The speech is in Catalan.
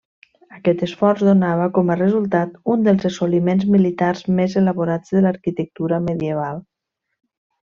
Aquest esforç donava com a resultat un dels assoliments militars més elaborats de l'arquitectura medieval.